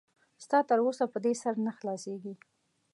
ستا تر اوسه په دې سر نه خلاصېږي.